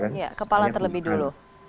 iya kepala terlebih dulu